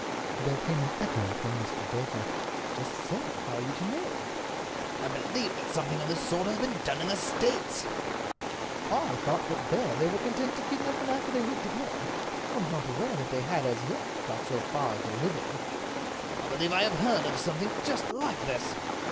There came an echo from Mr. Dacre. "Just so—how are you to know?" "I believe that something of this sort has been done in the States." "I thought that there they were content to kidnap them after they were dead. I was not aware that they had, as yet, got quite so far as the living." "I believe that I have heard of something just like this."